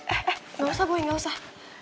eh gak usah gue gak usah